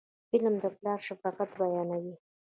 فلم د پلار شفقت بیانوي